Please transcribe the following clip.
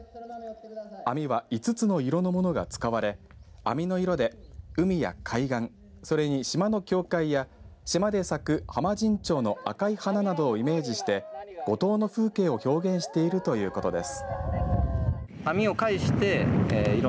海は５つの色のものが使われ網の色で海や海岸それに島の教会や島まで咲くハマジンチョウの赤い花などイメージして五島の風景を表現してるということです。